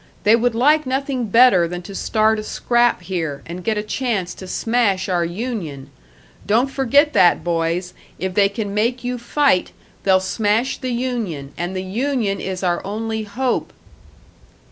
They would like nothing better than to start a scrap here, and get a chance to smash our union! Don't forget that, boys, if they can make you fight, they'll smash the union, and the union is our only hope!"